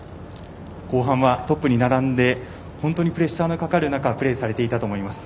後半はトップに並んで本当にプレッシャーがかかる中プレーされていたと思います。